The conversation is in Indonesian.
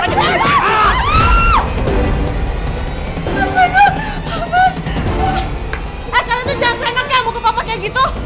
eh kalian tuh jangan seneng ya muka papa kayak gitu